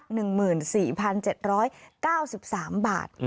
๑หมื่น๔๗๙๓บาท